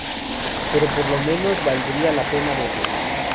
Pero por lo menos valdrá la pena verlo".